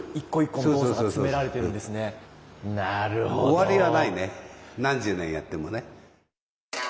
終わりがないね何十年やってもね。